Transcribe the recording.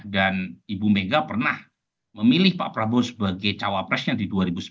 dan ibu mega pernah memilih pak prabowo sebagai cawapresnya di dua ribu sembilan